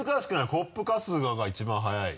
コップ・春日が１番早い。